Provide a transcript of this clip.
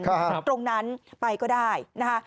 ตรงนั้นไปก็ได้นะคะ